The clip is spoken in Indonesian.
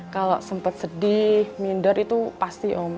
kalau sempat sedih minder itu pasti om